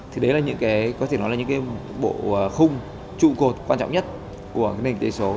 thì đấy là những cái có thể nói là những cái bộ khung trụ cột quan trọng nhất của cái nền kinh tế số